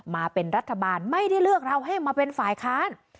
มาเป็นรัฐบาลไม่ได้เลือกเราให้มาเป็นฝ่ายค้าน